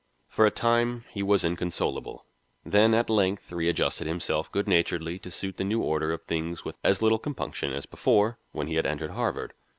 For a time he was inconsolable, then at length readjusted himself good naturedly to suit the new order of things with as little compunction as before, when he had entered Harvard.